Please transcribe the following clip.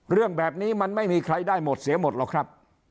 เรื่องแบบนี้มันไม่มีใครได้หมดเสียหมดหรอกครับ